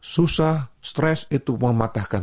susah stres itu mematahkan